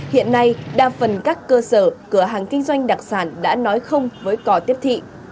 hiện nay đa phần các cơ sở cửa hàng kinh doanh đặc sản đã nói không với cò tiếp thị